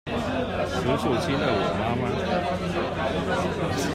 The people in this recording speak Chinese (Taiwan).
叔叔親了我媽媽